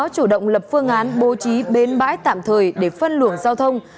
công lập phương án bố trí bến bãi tạm thời để phân luồng giao thông